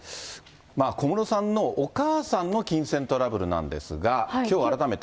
小室さんのお母さんの金銭トラブルなんですが、きょう改めて。